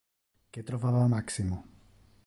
Que trovava Maximo?